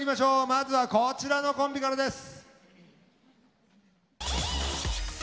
まずはこちらのコンビからです。